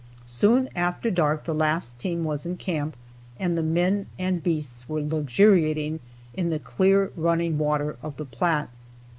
Soon after dark the last team was in camp and the men and beasts were luxuriating in the clear running water of the Platte.